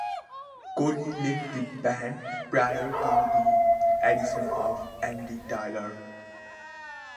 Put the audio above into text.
Colley left the band prior to the addition of Andy Taylor.